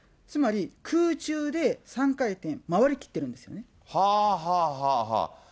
つまり、空中で３回転、回りきってるんですよね。